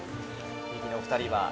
ミキのお二人は？